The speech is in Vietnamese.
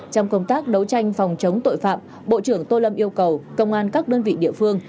trong công tác đấu tranh phòng chống tội phạm bộ trưởng tô lâm yêu cầu công an các đơn vị địa phương